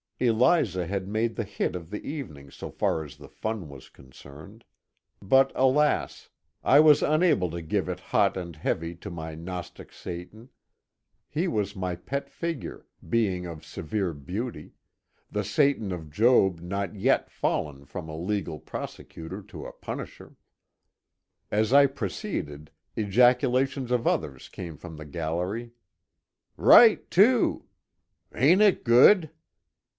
Eliza had made the hit of the evening so far as the fun was concerned. But alas, I was unable to give it hot and 304 MONCURE DANIEL CONWAY heavy to my gnostic Satan ; he was my pet figure, being of severe beauty, — the Satan of Job not yet fallen from a legal prosecutor to a punisher. As I proceeded ejaculations of others came from the gallery, —" Eight too 1 "" Ain't it good!"